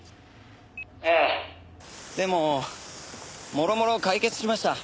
「ええ」でももろもろ解決しました。